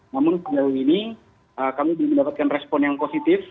namun sejauh ini kami belum mendapatkan respon yang positif